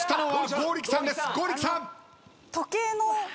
剛力さん。